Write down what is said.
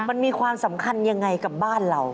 มันมีความสำคัญยังไงกับบ้านเรา